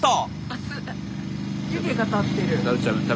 熱っ湯気が立ってる。